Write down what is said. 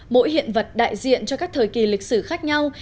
mỗi hiện vật đại diện cho các thời kỳ lịch sử khác nhau